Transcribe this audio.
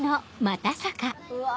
うわ！